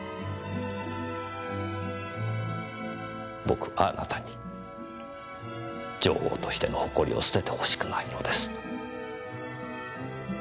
僕はあなたに女王としての誇りを捨ててほしくないのです。